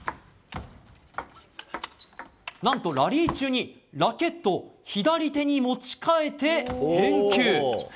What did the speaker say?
何と、ラリー中にラケットを左手に持ち替えて返球。